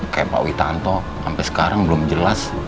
kayak pak witanto sampai sekarang belum jelas